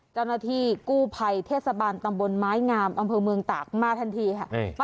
เจ้าหน้าที่กู้ภัยเทศบาลตำบลไม้งามอำเภอเมืองตากมาทันทีค่ะ